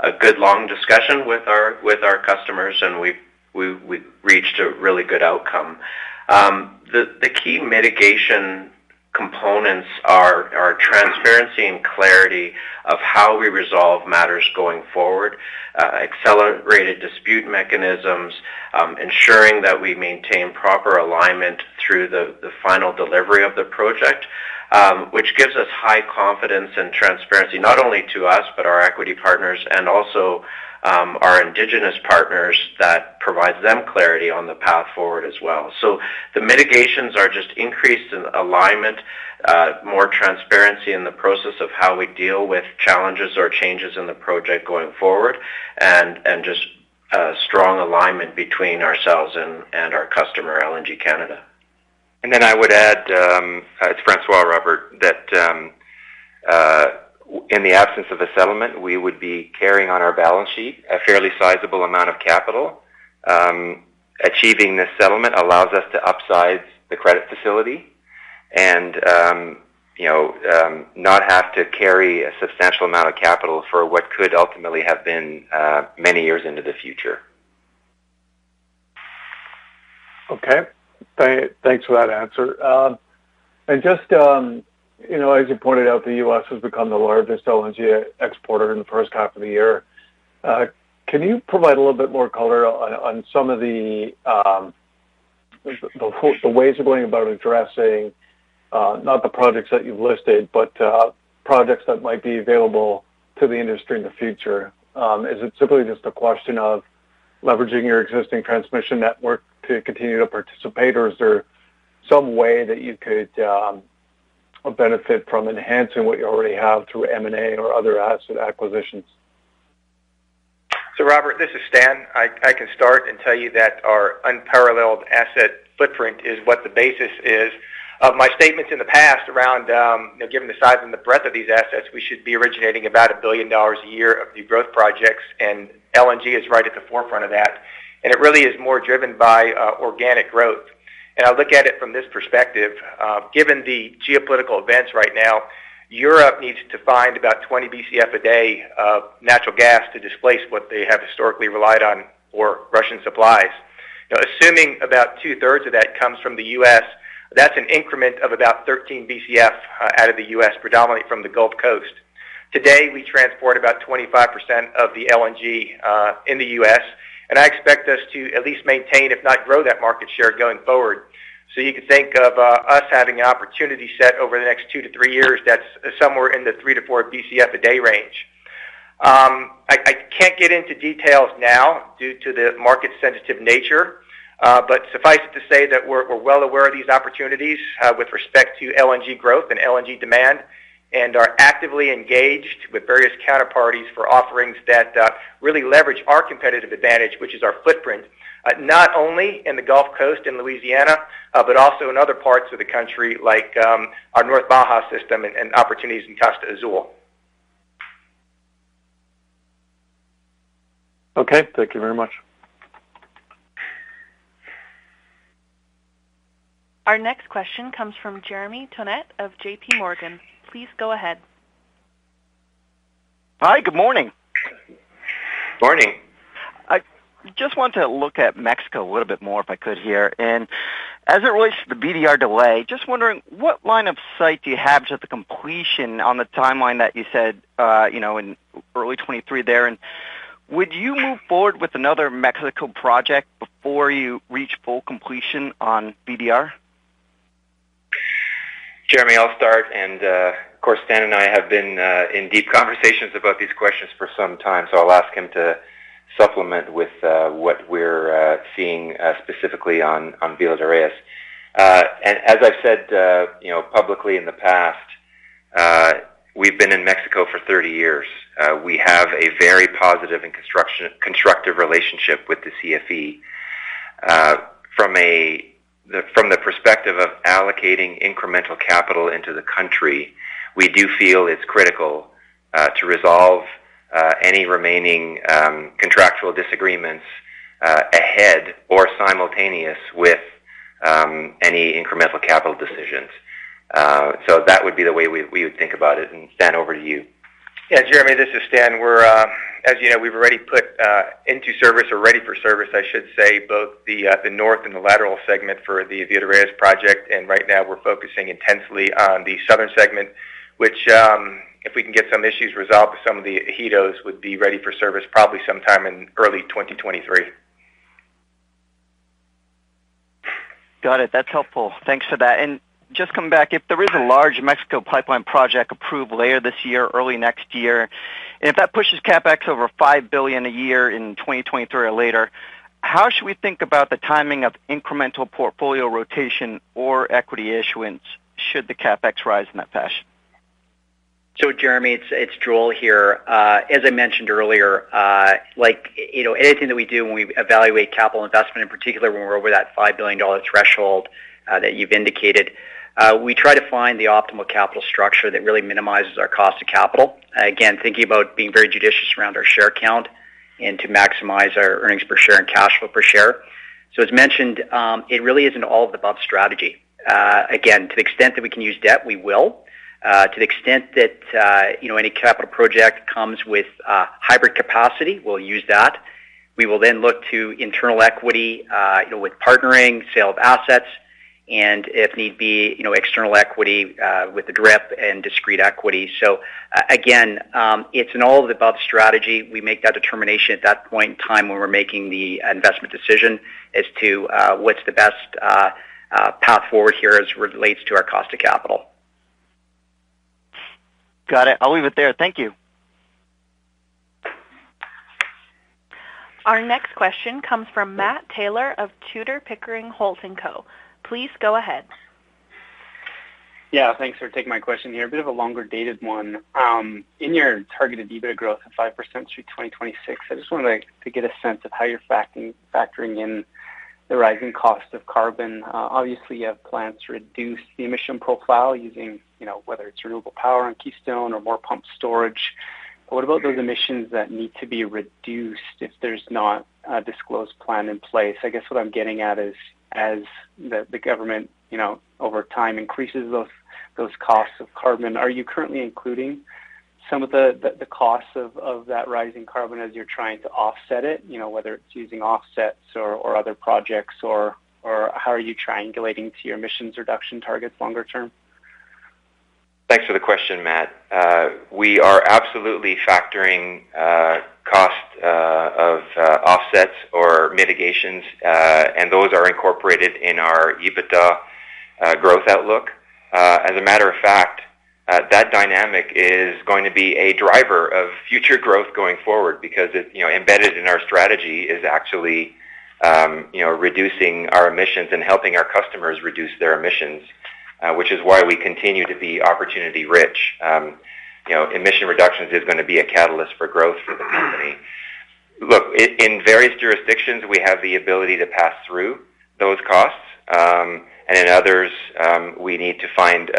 a good long discussion with our customers, and we reached a really good outcome. The key mitigation components are transparency and clarity of how we resolve matters going forward, accelerated dispute mechanisms, ensuring that we maintain proper alignment through the final delivery of the project, which gives us high confidence and transparency, not only to us, but our equity partners and also our indigenous partners that provides them clarity on the path forward as well. The mitigations are just increased in alignment, more transparency in the process of how we deal with challenges or changes in the project going forward and just strong alignment between ourselves and our customer, LNG Canada. I would add, it's François, Robert, that in the absence of a settlement, we would be carrying on our balance sheet a fairly sizable amount of capital. Achieving this settlement allows us to upsize the credit facility and, you know, not have to carry a substantial amount of capital for what could ultimately have been many years into the future. Thanks for that answer. Just, you know, as you pointed out, the U.S. has become the largest LNG exporter in the first half of the year. Can you provide a little bit more color on some of the ways of going about addressing not the projects that you've listed, but projects that might be available to the industry in the future? Is it simply just a question of leveraging your existing transmission network to continue to participate, or is there some way that you could Benefit from enhancing what you already have through M&A or other asset acquisitions. Robert, this is Stan. I can start and tell you that our unparalleled asset footprint is what the basis is of my statements in the past around given the size and the breadth of these assets, we should be originating about 1 billion dollars a year of new growth projects, and LNG is right at the forefront of that. It really is more driven by organic growth. I look at it from this perspective, given the geopolitical events right now, Europe needs to find about 20 Bcf/d of natural gas to displace what they have historically relied on for Russian supplies. Now, assuming about two-thirds of that comes from the U.S., that's an increment of about 13 Bcf out of the U.S., predominantly from the Gulf Coast. Today, we transport about 25% of the LNG in the U.S., and I expect us to at least maintain, if not grow that market share going forward. You can think of us having an opportunity set over the next 2 years-3 years that's somewhere in the 3 Bcf-4 Bcf/d range. I can't get into details now due to the market sensitive nature, but suffice it to say that we're well aware of these opportunities with respect to LNG growth and LNG demand, and are actively engaged with various counterparties for offerings that really leverage our competitive advantage, which is our footprint, not only in the Gulf Coast in Louisiana, but also in other parts of the country, like, our North Baja system and opportunities in Costa Azul. Okay, thank you very much. Our next question comes from Jeremy Tonet of JPMorgan. Please go ahead. Hi, good morning. Morning. I just want to look at Mexico a little bit more if I could here. As it relates to the VdR delay, just wondering what line of sight do you have to the completion on the timeline that you said, in early 2023 there? Would you move forward with another Mexico project before you reach full completion on VdR? Jeremy, I'll start. Of course, Stan and I have been in deep conversations about these questions for some time, so I'll ask him to supplement with what we're seeing specifically on Villa de Reyes. As I've said, you know, publicly in the past, we've been in Mexico for 30 years. We have a very positive and constructive relationship with the CFE. From the perspective of allocating incremental capital into the country, we do feel it's critical to resolve any remaining contractual disagreements ahead or simultaneous with any incremental capital decisions. That would be the way we would think about it. Stan, over to you. Yeah, Jeremy, this is Stan. We're, as you know, we've already put into service or ready for service, I should say, both the north and the lateral segment for the Villa de Reyes project. Right now we're focusing intensely on the southern segment, which, if we can get some issues resolved with some of the ejidos, would be ready for service probably sometime in early 2023. Got it. That's helpful. Thanks for that. Just coming back, if there is a large Mexico pipeline project approved later this year or early next year, and if that pushes CapEx over 5 billion a year in 2023 or later, how should we think about the timing of incremental portfolio rotation or equity issuance should the CapEx rise in that fashion? Jeremy, it's Joel here. As I mentioned earlier, like, you know, anything that we do when we evaluate capital investment, in particular when we're over that 5 billion dollar threshold, that you've indicated, we try to find the optimal capital structure that really minimizes our cost of capital. Again, thinking about being very judicious around our share count and to maximize our earnings per share and cash flow per share. As mentioned, it really is an all-of-the-above strategy. Again, to the extent that we can use debt, we will. To the extent that, you know, any capital project comes with hybrid capacity, we'll use that. We will then look to internal equity, you know, with partnering, sale of assets, and if need be, you know, external equity, with the DRIP and discrete equity. It's an all-of-the-above strategy. We make that determination at that point in time when we're making the investment decision as to what's the best path forward here as relates to our cost of capital. Got it. I'll leave it there. Thank you. Our next question comes from Matthew Taylor of Tudor, Pickering, Holt & Co. Please go ahead. Yeah, thanks for taking my question here. A bit of a longer-dated one. In your targeted EBITDA growth of 5% through 2026, I just wanted to get a sense of how you're factoring in the rising cost of carbon. Obviously, you have plans to reduce the emission profile using, you know, whether it's renewable power on Keystone or more pumped storage. What about those emissions that need to be reduced if there's not a disclosed plan in place? I guess what I'm getting at is, as the government, you know, over time increases those costs of carbon, are you currently including some of the costs of that rising carbon as you're trying to offset it? You know, whether it's using offsets or other projects or how are you triangulating to your emissions reduction targets longer term? Thanks for the question, Matt. We are absolutely factoring cost of offsets or mitigations, and those are incorporated in our EBITDA growth outlook. That dynamic is going to be a driver of future growth going forward because embedded in our strategy is actually, you know, reducing our emissions and helping our customers reduce their emissions, which is why we continue to be opportunity-rich. You know, emission reductions is going to be a catalyst for growth for the company. Look, in various jurisdictions, we have the ability to pass through those costs, and in others, we need to find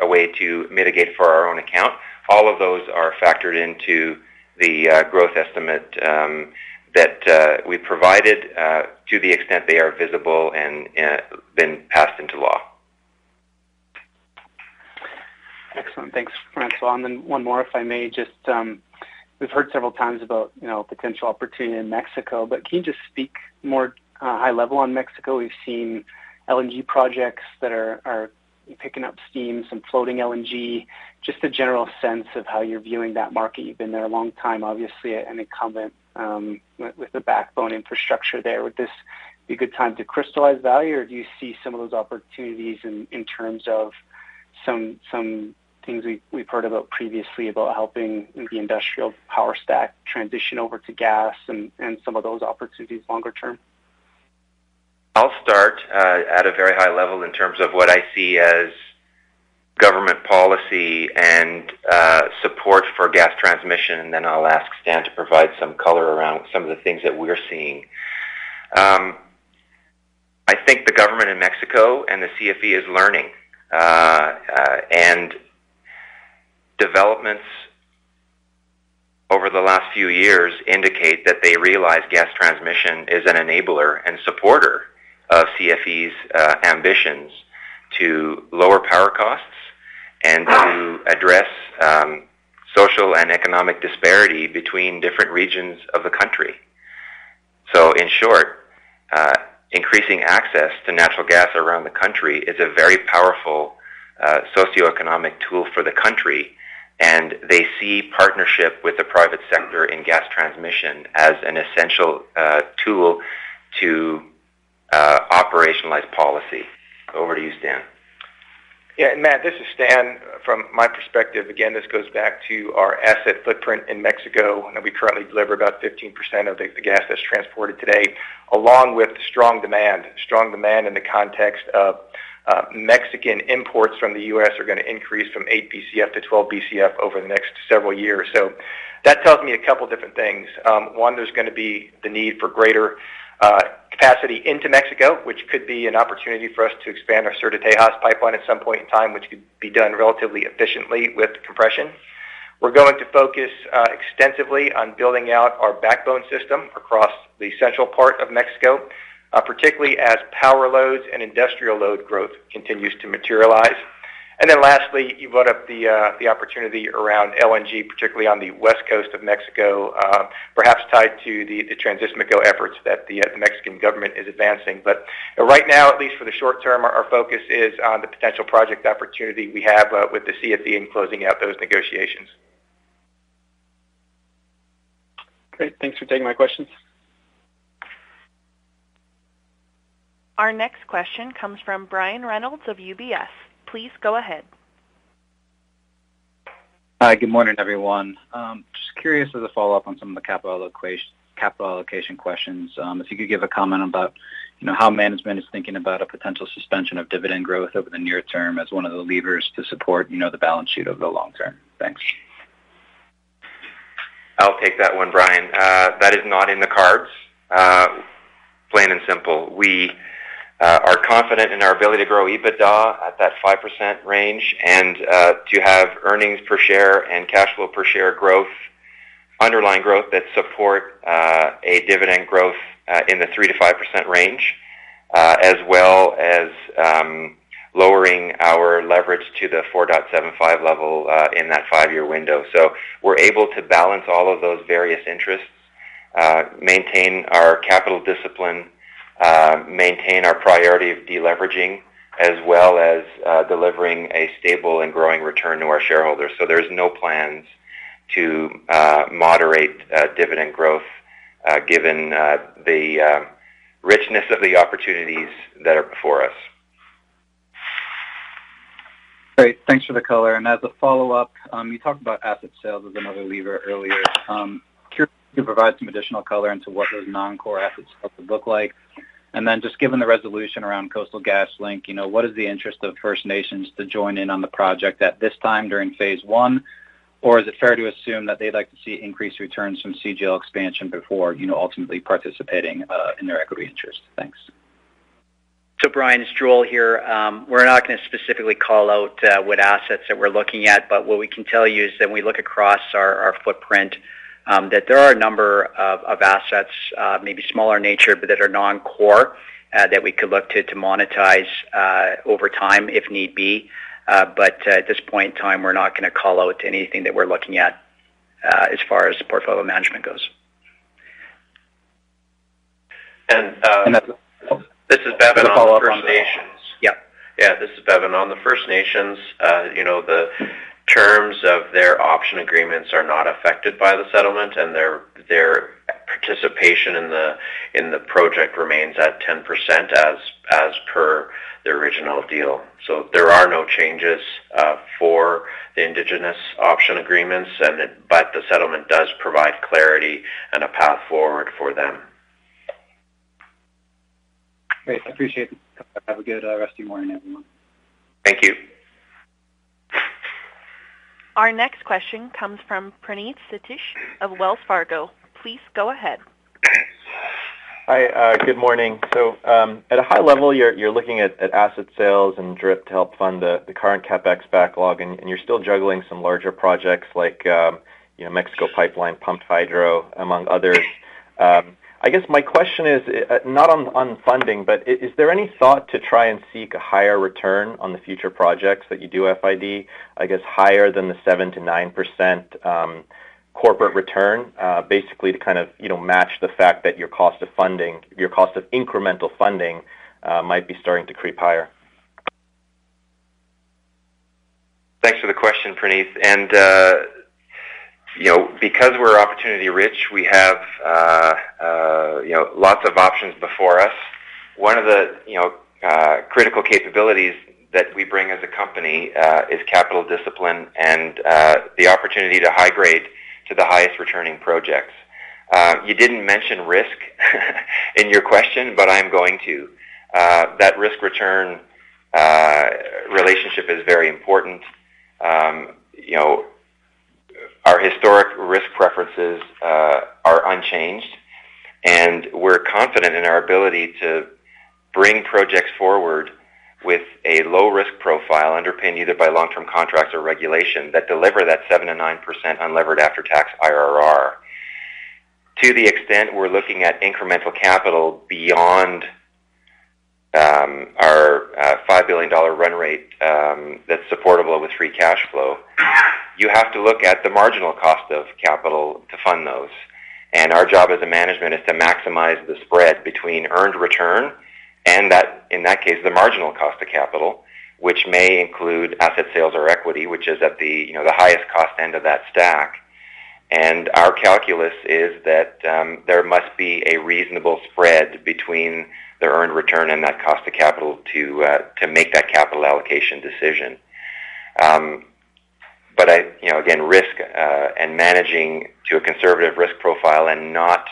a way to mitigate for our own account. All of those are factored into the growth estimate that we provided to the extent they are visible and been passed into law. Excellent. Thanks, François. One more, if I may. Just, we've heard several times about, you know, potential opportunity in Mexico, but can you just speak more, high level on Mexico? We've seen LNG projects that are picking up steam, some floating LNG. Just a general sense of how you're viewing that market. You've been there a long time, obviously, an incumbent, with the backbone infrastructure there. Would this be a good time to crystallize value, or do you see some of those opportunities in terms of some things we've heard about previously about helping the industrial power stack transition over to gas and some of those opportunities longer term? I'll start at a very high level in terms of what I see as government policy and support for gas transmission. I'll ask Stan to provide some color around some of the things that we're seeing. I think the government in Mexico and the CFE is learning. Developments over the last few years indicate that they realize gas transmission is an enabler and supporter of CFE's ambitions to lower power costs and to address social and economic disparity between different regions of the country. In short, increasing access to natural gas around the country is a very powerful socioeconomic tool for the country, and they see partnership with the private sector in gas transmission as an essential tool to operationalize policy. Over to you, Stan. Yeah. Matt, this is Stan. From my perspective, again, this goes back to our asset footprint in Mexico. We currently deliver about 15% of the gas that's transported today, along with strong demand. Strong demand in the context of Mexican imports from the U.S. are gonna increase from 8 Bcf-12 Bcf over the next several years. That tells me a couple different things. One, there's gonna be the need for greater capacity into Mexico, which could be an opportunity for us to expand our Sur de Texas pipeline at some point in time, which could be done relatively efficiently with compression. We're going to focus extensively on building out our backbone system across the central part of Mexico, particularly as power loads and industrial load growth continues to materialize. Lastly, you brought up the opportunity around LNG, particularly on the West Coast of Mexico, perhaps tied to the Transístmico efforts that the Mexican government is advancing. Right now, at least for the short term, our focus is on the potential project opportunity we have with the CFE in closing out those negotiations. Great. Thanks for taking my questions. Our next question comes from Brian Reynolds of UBS. Please go ahead. Hi. Good morning, everyone. Just curious as a follow-up on some of the capital allocation questions, if you could give a comment about, you know, how management is thinking about a potential suspension of dividend growth over the near term as one of the levers to support, you know, the balance sheet over the long term? Thanks. I'll take that one, Brian. That is not in the cards, plain and simple. We are confident in our ability to grow EBITDA at that 5% range and to have earnings per share and cash flow per share growth, underlying growth that support a dividend growth in the 3%-5% range as well as lowering our leverage to the 4.75 level in that five-year window. We're able to balance all of those various interests, maintain our capital discipline, maintain our priority of deleveraging, as well as delivering a stable and growing return to our shareholders. There's no plans to moderate dividend growth given the richness of the opportunities that are before us. Great. Thanks for the color. As a follow-up, you talked about asset sales as another lever earlier. Curious if you could provide some additional color into what those non-core assets are supposed to look like. Then just given the resolution around Coastal GasLink, you know, what is the interest of First Nations to join in on the project at this time during Phase 1? Or is it fair to assume that they'd like to see increased returns from CGL expansion before, you know, ultimately participating in their equity interest? Thanks. Brian, it's Joel here. We're not gonna specifically call out what assets that we're looking at, but what we can tell you is that we look across our footprint that there are a number of assets maybe smaller in nature but that are non-core that we could look to monetize over time if need be. At this point in time, we're not gonna call out anything that we're looking at as far as portfolio management goes. And, uh. And as a. This is Bevin. On the First Nations. Yeah. This is Bevin. On the First Nations, the terms of their option agreements are not affected by the settlement, and their participation in the project remains at 10% as per the original deal. There are no changes for the indigenous option agreements, but the settlement does provide clarity and a path forward for them. Great. I appreciate it. Have a good rest of your morning, everyone. Thank you. Our next question comes from Praneeth Satish of Wells Fargo. Please go ahead. Hi. Good morning. At a high level you're looking at asset sales and debt to help fund the current CapEx backlog, and you're still juggling some larger projects like, you know, Mexico Pipeline, Pumped Hydro, among others. I guess my question is not on funding, but is there any thought to try and seek a higher return on the future projects that you do FID, I guess higher than the 7%-9% corporate return, basically to kind of, you know, match the fact that your cost of funding, your cost of incremental funding, might be starting to creep higher? Thanks for the question, Praneeth. You know, because we're opportunity rich, we have, you know, lots of options before us. One of the, you know, critical capabilities that we bring as a company is capital discipline and the opportunity to high grade to the highest returning projects. You didn't mention risk in your question, but I'm going to. That risk return relationship is very important. You know, our historic risk preferences are unchanged, and we're confident in our ability to bring projects forward with a low risk profile underpinned either by long-term contracts or regulation that deliver that 7%-9% unlevered after-tax IRR. To the extent we're looking at incremental capital beyond our 5 billion dollar run rate, that's supportable with free cash flow, you have to look at the marginal cost of capital to fund those. Our job as a management is to maximize the spread between earned return and that, in that case, the marginal cost of capital, which may include asset sales or equity, which is at the, you know, the highest cost end of that stack. Our calculus is that there must be a reasonable spread between the earned return and that cost of capital to make that capital allocation decision. You know, again, risk and managing to a conservative risk profile and not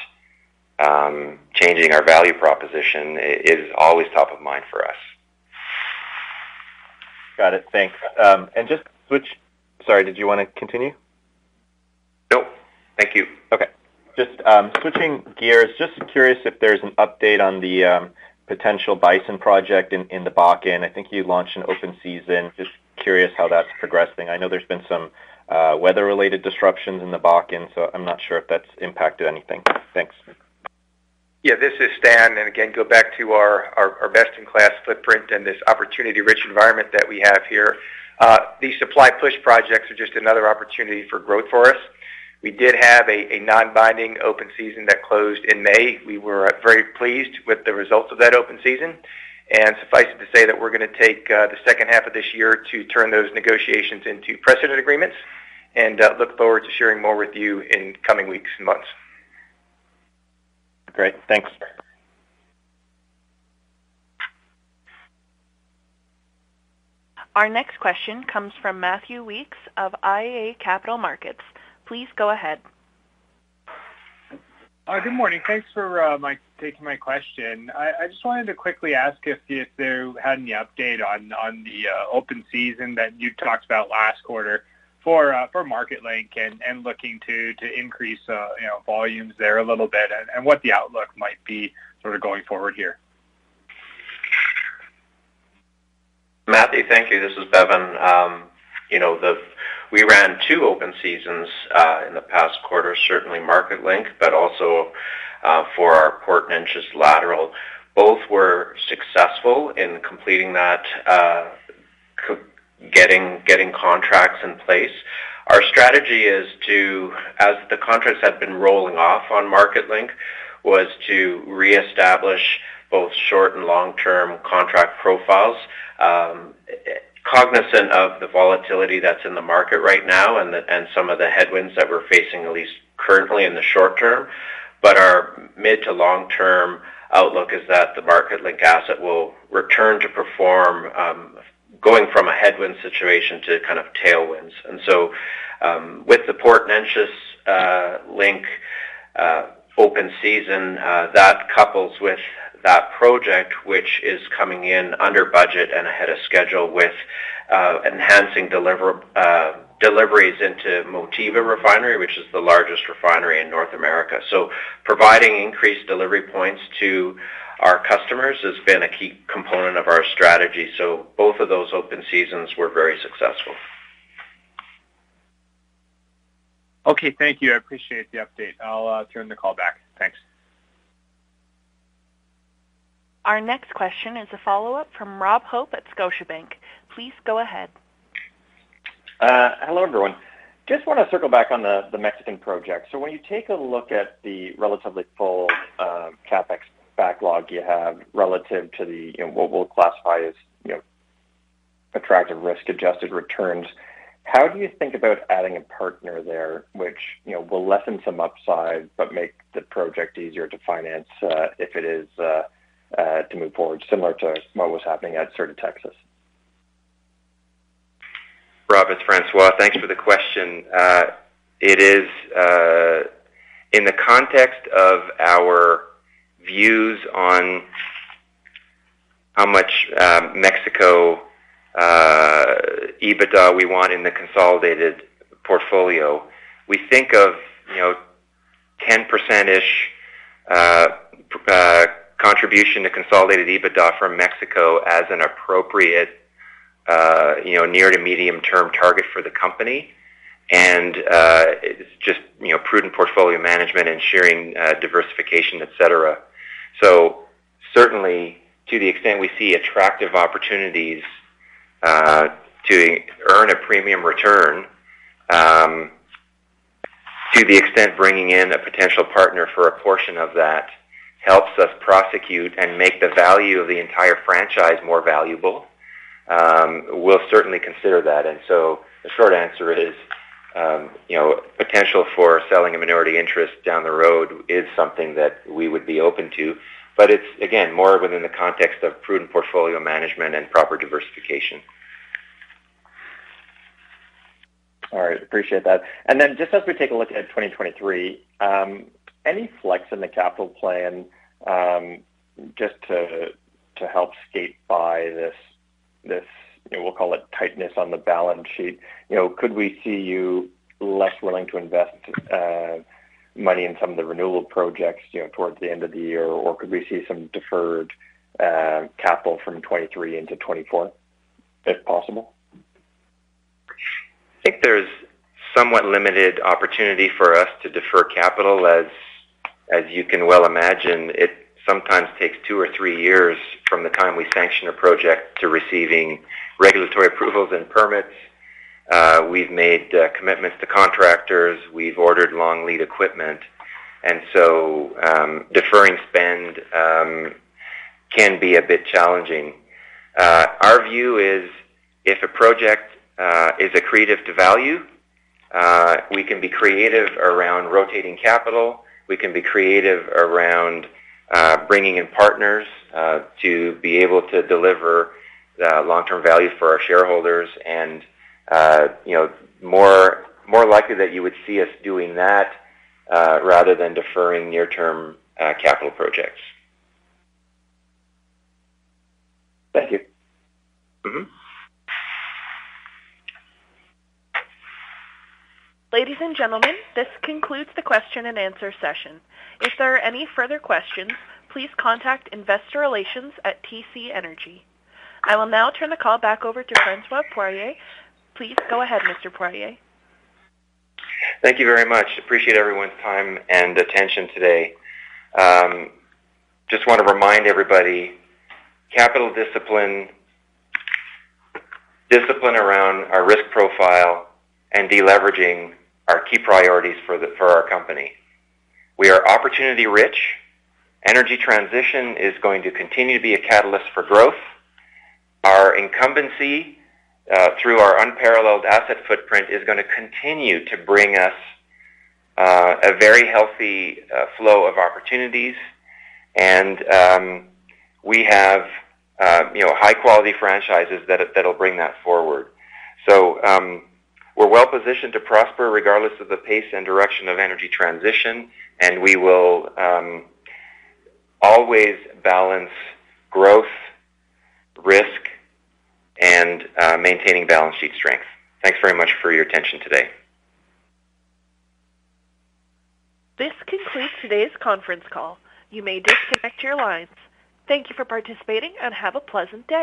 changing our value proposition is always top of mind for us. Got it. Thanks. Sorry, did you wanna continue? Nope. Thank you. Okay. Just switching gears, just curious if there's an update on the potential Bison XPress project in the Bakken. I think you launched an open season. Just curious how that's progressing. I know there's been some weather-related disruptions in the Bakken, so I'm not sure if that's impacted anything? Thanks. Yeah. This is Stan. Go back to our best-in-class footprint and this opportunity-rich environment that we have here. These supply push projects are just another opportunity for growth for us. We did have a non-binding open season that closed in May. We were very pleased with the results of that open season. Suffice it to say that we're gonna take the second half of this year to turn those negotiations into precedent agreements and look forward to sharing more with you in coming weeks and months. Great. Thanks. Our next question comes from Matthew Weekes of iA Capital Markets. Please go ahead. Good morning. Thanks for taking my question. I just wanted to quickly ask if there had any update on the open season that you talked about last quarter for Marketlink and looking to increase you know volumes there a little bit and what the outlook might be sort of going forward here. Matthew, thank you. This is Bevin. You know, we ran two open seasons in the past quarter, certainly Marketlink, but also for our Port Neches Link. Both were successful in completing that, getting contracts in place. Our strategy is to, as the contracts have been rolling off on Marketlink, was to reestablish both short and long-term contract profiles, cognizant of the volatility that's in the market right now and some of the headwinds that we're facing at least currently in the short term. Our mid to long-term outlook is that the Marketlink asset will return to perform, going from a headwind situation to kind of tailwinds. With the Port Neches Link open season, that couples with that project which is coming in under budget and ahead of schedule with enhancing deliveries into Motiva refinery, which is the largest refinery in North America. Providing increased delivery points to our customers has been a key component of our strategy, so both of those open seasons were very successful. Okay. Thank you. I appreciate the update. I'll turn the call back. Thanks. Our next question is a follow-up from Robert Hope at Scotiabank. Please go ahead. Hello, everyone. Just wanna circle back on the Mexican project. When you take a look at the relatively full CapEx backlog you have relative to the, you know, what we'll classify as, you know, attractive risk-adjusted returns. How do you think about adding a partner there, which, you know, will lessen some upside but make the project easier to finance, if it is to move forward, similar to what was happening at Sur de Texas? Rob, it's François. Thanks for the question. It is in the context of our views on how much Mexico EBITDA we want in the consolidated portfolio. We think of, you know, 10%-ish contribution to consolidated EBITDA from Mexico as an appropriate, you know, near to medium-term target for the company. It's just, you know, prudent portfolio management ensuring diversification, et cetera. Certainly to the extent we see attractive opportunities to earn a premium return, to the extent bringing in a potential partner for a portion of that helps us prosecute and make the value of the entire franchise more valuable, we'll certainly consider that. The short answer is, you know, potential for selling a minority interest down the road is something that we would be open to, but it's again, more within the context of prudent portfolio management and proper diversification. All right. Appreciate that. Then just as we take a look at 2023, any flex in the capital plan, just to help skate by this, you know, we'll call it tightness on the balance sheet. You know, could we see you less willing to invest money in some of the renewable projects, you know, towards the end of the year? Or could we see some deferred capital from 2023 into 2024 if possible? I think there's somewhat limited opportunity for us to defer capital, as you can well imagine. It sometimes takes two or three years from the time we sanction a project to receiving regulatory approvals and permits. We've made commitments to contractors. We've ordered long lead equipment, and so deferring spend can be a bit challenging. Our view is if a project is accretive to value, we can be creative around rotating capital. We can be creative around bringing in partners to be able to deliver long-term value for our shareholders and, you know, more likely that you would see us doing that rather than deferring near-term capital projects. Thank you. Mm-hmm. Ladies and gentlemen, this concludes the question and answer session. If there are any further questions, please contact investor relations at TC Energy. I will now turn the call back over to François Poirier. Please go ahead, Mr. Poirier. Thank you very much. Appreciate everyone's time and attention today. Just wanna remind everybody, capital discipline around our risk profile and deleveraging are key priorities for our company. We are opportunity rich. Energy transition is going to continue to be a catalyst for growth. Our incumbency through our unparalleled asset footprint is gonna continue to bring us a very healthy flow of opportunities. We have, you know, high-quality franchises that'll bring that forward. We're well-positioned to prosper regardless of the pace and direction of energy transition, and we will always balance growth, risk and maintaining balance sheet strength. Thanks very much for your attention today. This concludes today's conference call. You may disconnect your lines. Thank you for participating, and have a pleasant day.